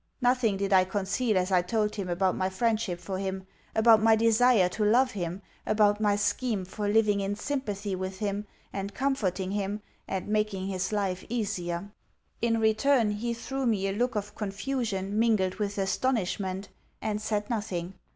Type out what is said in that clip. Nothing did I conceal as I told him about my friendship for him, about my desire to love him, about my scheme for living in sympathy with him and comforting him, and making his life easier. In return he threw me a look of confusion mingled with astonishment, and said nothing.